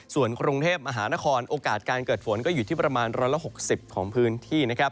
ส่วนกรุงเทพมหานครโอกาสการเกิดฝนก็อยู่ที่ประมาณ๑๖๐ของพื้นที่นะครับ